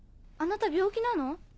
あなた病気なの？